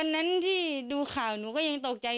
นั้นที่ดูข่าวหนูก็ยังตกใจ